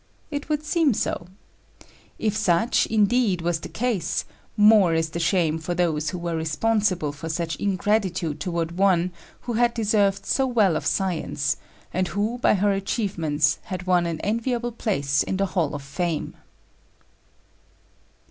It would seem so. If such, indeed, was the case, more is the shame for those who were responsible for such ingratitude toward one who had deserved so well of science, and who by her achievements had won an enviable place in the hall of fame.